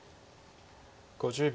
５０秒。